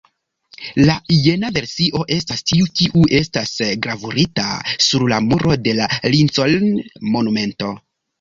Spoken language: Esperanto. La jena versio estas tiu kiu estas gravurita sur la muro de la Lincoln-monumento.